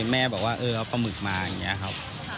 แม่บอกว่าเออเอาปลาหมึกมาอย่างนี้ครับ